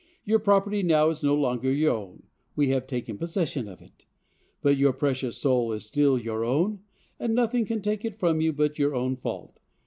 Your property now is no longer your own; we have taken possession of it; but your precious soul is still your own, and nothing can take it from you but your own fault.